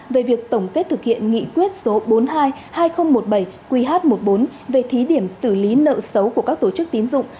về việc tổng kết thực hiện nghị quyết số bốn mươi hai hai nghìn một mươi bảy qh một mươi bốn về thí điểm xử lý nợ xấu của các tổ chức tín dụng